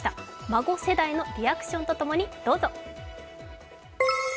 孫世代のリアクションと共にどうぞ。